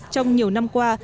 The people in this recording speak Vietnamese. trong nhiều năm qua